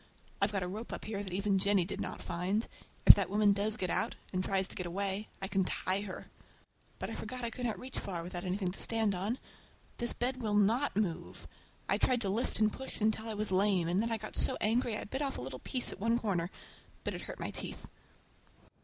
I've got a rope up here that even Jennie did not find. If that woman does get out, and tries to get away, I can tie her! But I forgot I could not reach far without anything to stand on! This bed will not move! I tried to lift and push it until I was lame, and then I got so angry I bit off a little piece at one corner—but it hurt my teeth.